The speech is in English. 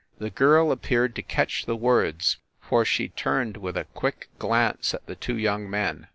The girl appeared to catch the words, for she turned with a quick glance at the two young men.